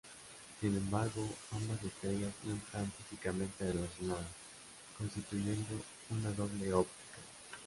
Sin embargo, ambas estrellas no están físicamente relacionadas, constituyendo una doble óptica.